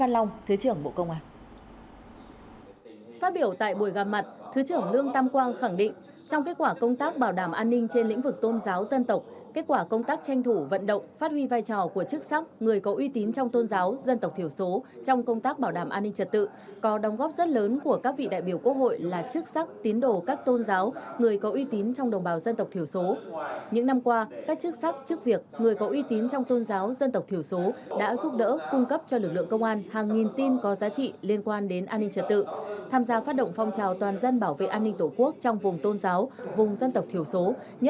lo ngại tình trạng bạo lực tại myanmar các quốc gia asean nỗ lực tìm kiếm giải pháp hòa bình